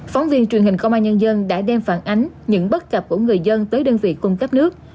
phóng viên truyền hình công an nhân dân đã đem phản ánh những bất cập của người dân tới đơn vị cung cấp nước